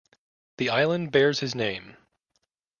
The island bears his name.